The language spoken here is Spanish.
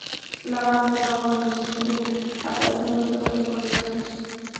La banda luego anunció el aplazamiento de los conciertos.